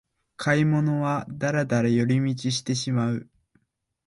買い物はダラダラ寄り道してしまう